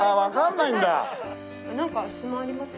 なんか質問ありますか？